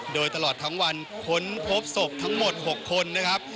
โดยตลอดทั้งวันค้นพบศพทั้งหมด๖คนนะครับ